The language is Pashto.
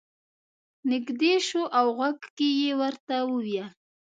نږدې شو او غوږ کې یې ورته وویل.